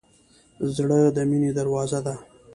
زړه د مینې دروازه ده.